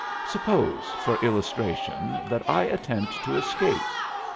Suppose, for illustration, that I attempt to escape.